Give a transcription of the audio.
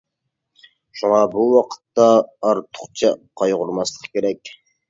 شۇڭا بۇ ۋاقىتتا ئارتۇقچە قايغۇرماسلىق كېرەك.